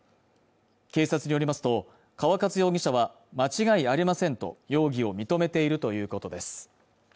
警察によりますと川勝容疑者は間違いありませんと容疑を認めているということです